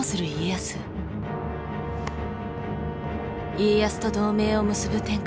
家康と同盟を結ぶ天下人